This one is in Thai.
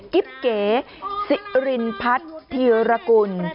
กิ๊บเก๋สิรินพัฒน์ธีรกุล